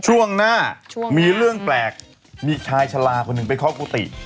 ช่วงหน้ามีเรื่องแปลกมีชายชะลาคนหนึ่งไปเคาะกุฏิ